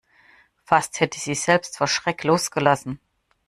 Fast hätte sie selbst vor Schreck losgelassen.